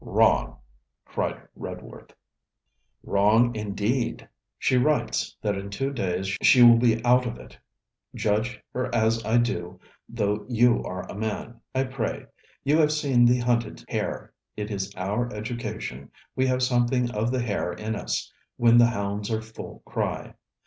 'Wrong!' cried Redworth. 'Wrong indeed. She writes, that in two days she will be out of it. Judge her as I do, though you are a man, I pray. You have seen the hunted hare. It is our education we have something of the hare in us when the hounds are full cry.